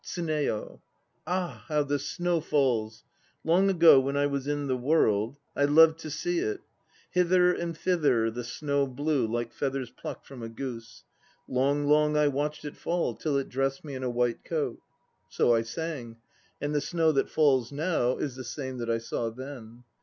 TSUNEYO. Ah! How the snow falls! Long ago when I was in the World 1 I loved to see it: "Hither and thither the snow blew like feathers plucked from a goose; Long, long I watched it fall, till it dressed me in a white coat." So I sang; and the snow that falls now is the same that I saw then.